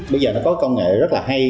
bây giờ nó có công nghệ rất là hay